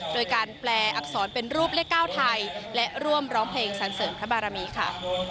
โดยการแปลอักษรเป็นรูปเลข๙ไทยและร่วมร้องเพลงสันเสริมพระบารมีค่ะ